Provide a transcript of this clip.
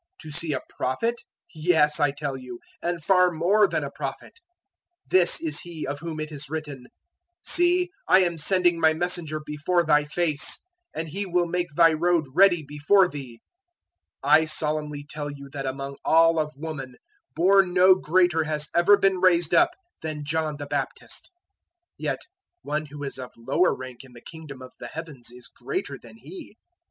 To see a prophet? Yes, I tell you, and far more than a prophet. 011:010 This is he of whom it is written, "`See I am sending My messenger before Thy face, and he will make Thy road ready before Thee.' 011:011 "I solemnly tell you that among all of woman born no greater has ever been raised up than John the Baptist; yet one who is of lower rank in the Kingdom of the Heavens is greater than he.